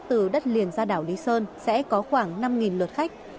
từ đất liền ra đảo lý sơn sẽ có khoảng năm lượt khách